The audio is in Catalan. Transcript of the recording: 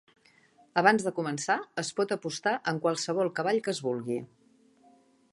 Abans de començar, es pot apostar en qualsevol cavall que es vulgui.